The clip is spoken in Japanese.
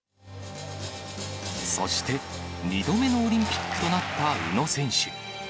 そして、２度目のオリンピックとなった宇野選手。